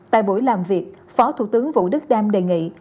tại buổi làm việc phó thủ tướng vũ đức đam đề nghị